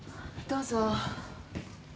どうぞ。